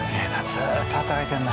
ずーっと働いてるな。